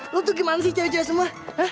lu tuh gimana sih cewek cewek semua